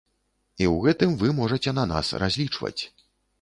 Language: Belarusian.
І ў гэтым вы можаце на нас разлічваць.